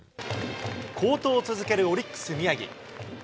好投を続けるオリックス、宮城。